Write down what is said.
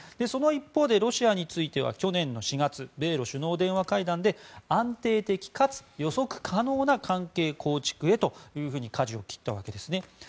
その一方で、ロシアについては去年の４月米露首脳電話会談で安定的かつ予測可能な関係構築へとかじを切ったわけですね。